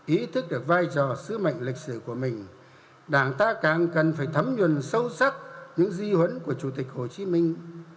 ý thức được vai trò sứ mệnh lịch sử của mình đảng ta càng cần phải thấm nhuần sâu sắc những di huấn của chủ tịch hồ chí minh